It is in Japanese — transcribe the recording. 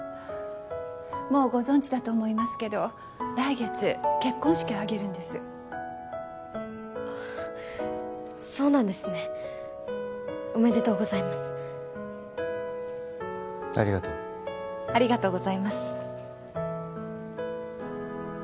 もうご存じだと思いますけど来月結婚式を挙げるんですそうなんですねおめでとうございますありがとうありがとうございます